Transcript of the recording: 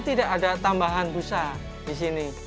tidak ada tambahan busa di sini